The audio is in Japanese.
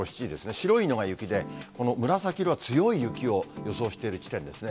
白いのが雪で、この紫色が強い雪を予想している地点ですね。